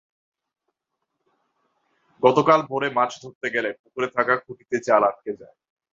গতকাল ভোরে মাছ ধরতে গেলে পুকুরে থাকা খুঁটিতে জাল আটকে যায়।